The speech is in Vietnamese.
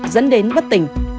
dẫn đến bất tỉnh